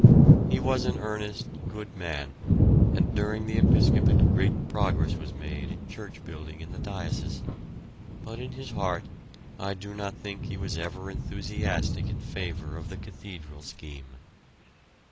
He was an earnest, good man, and during his episcopate great progress was made in church building in the diocese, but in his heart I do not think he was ever enthusiastic in favour of the cathedral scheme.